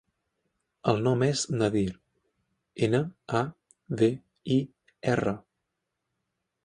El nom és Nadir: ena, a, de, i, erra.